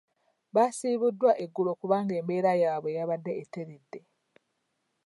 Baasiibuddwa eggulo kubanga embeera yaabwe yabadde etteredde.